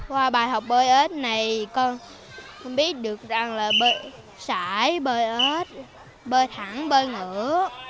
qua bài học bơi ếch này con biết được rằng là bơi sải bơi ếch bơi thẳng bơi ngựa